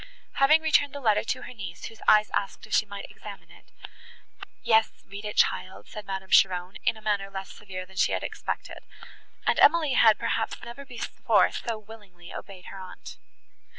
Having returned the letter to her niece, whose eyes asked if she might examine it, "Yes, read it, child," said Madame Cheron, in a manner less severe than she had expected, and Emily had, perhaps, never before so willingly obeyed her aunt.